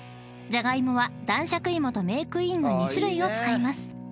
［じゃがいもは男爵いもとメークインの２種類を使います］